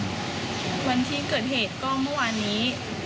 วันที่เกิดเหตุก็เมื่อวานนี้